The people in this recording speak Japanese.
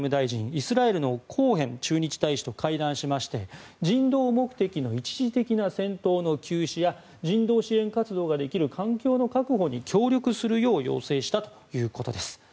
イスラエルのコーヘン駐日大使と会談しまして人道目的の一時的な戦闘の休止や人道支援活動ができる環境の確保に協力するよう要請したということです。